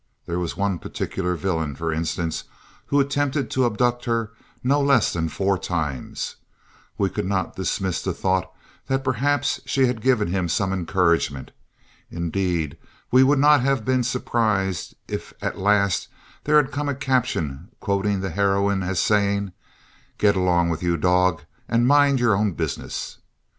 There was one particular villain, for instance, who attempted to abduct her no less than four times. We could not dismiss the thought that perhaps she had given him some encouragement. Indeed we would not have been surprised if at last there has come a caption quoting the heroine as saying: "Get along with you, dog, and mind your own business."